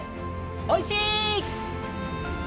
おいしい！